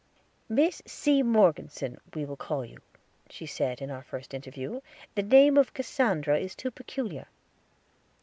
"Miss C. Morgeson, we will call you," she said, in our first interview; "the name of Cassandra is too peculiar."